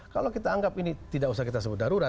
kalau kita anggap ini tidak usah kita sebut darurat